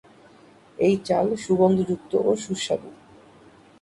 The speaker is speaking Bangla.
এই চাল সুগন্ধযুক্ত ও সুস্বাদু।